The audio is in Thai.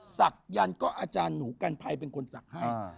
ศักยันต์ก็อาจารย์หนูกันภัยเป็นคนศักดิ์ให้